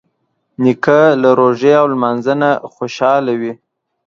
نیکه له روژې او لمانځه نه خوشحاله وي.